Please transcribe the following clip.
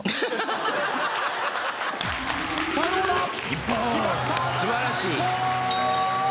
一本！素晴らしい。